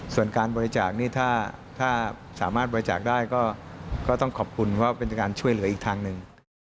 ส่วนการบริจาคนี่ถ้าสามารถบริจาคได้ก็ต้องขอบคุณว่าเป็นการช่วยเหลืออีกทางหนึ่ง